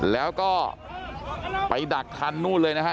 แล้วก็ไปดักทันนู่นเลยนะฮะ